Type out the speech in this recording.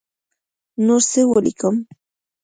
نور څه ولیکم.